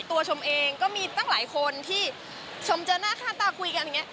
ชมเองก็มีตั้งหลายคนที่ชมเจอหน้าค่าตาคุยกันอย่างนี้